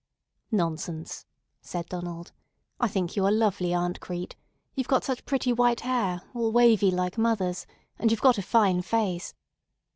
"Nonsense," said Donald. "I think you are lovely, Aunt Crete. You've got such pretty white hair, all wavy like mother's; and you've got a fine face.